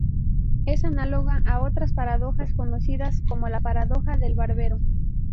Es análoga a otras paradojas conocidas, como la Paradoja del barbero.